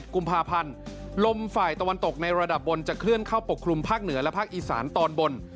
กุมภาพันธ์ลมฝ่ายตะวันตกในระดับบนจะเคลื่อนเข้าปกคลุมภาคเหนือและภาคอีสานตอนบน